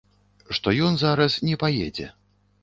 Што ён зараз не паедзе.